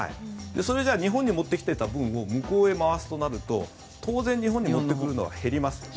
それを、じゃあ日本に持ってきた分を向こうへ回すとなると当然日本に寄って来るのは減ります。